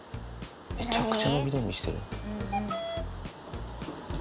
めちゃくちゃ伸び伸びしてる。